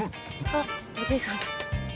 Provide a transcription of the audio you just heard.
あっおじいさんだった。